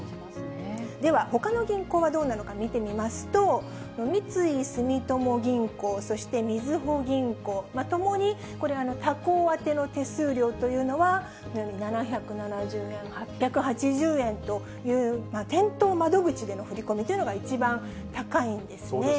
では、ほかの銀行はどうなのか見てみますと、三井住友銀行、そしてみずほ銀行、ともに他行宛ての手数料というのは、７７０円、８８０円という、店頭窓口での振り込みというのが一番高いんですね。